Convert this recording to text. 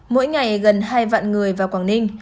mỗi ngày gần hai vạn người vào quảng ninh